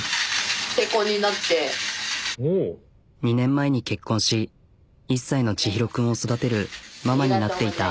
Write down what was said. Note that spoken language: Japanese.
２年前に結婚し１歳の智大君を育てるママになっていた。